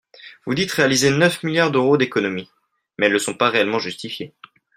Vous dites réaliser neuf milliards d’euros d’économie, mais elles ne sont pas réellement justifiées.